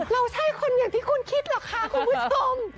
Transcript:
เราใช่คนอย่างที่คุณคิดหรอกค่ะคุณผู้ชม